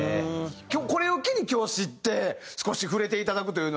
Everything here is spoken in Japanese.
これを機に今日知って少し触れていただくというのはね